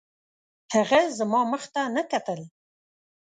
هغه زما مخ ته نه کتل